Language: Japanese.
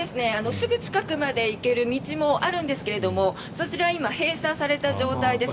すぐ近くまで行ける道もあるんですがそちらは今、閉鎖された状態です。